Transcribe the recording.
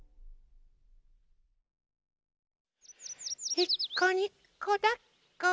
「いっこにこだっこ」